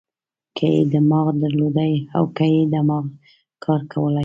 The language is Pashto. که یې دماغ درلودای او که یې دماغ کار کولای.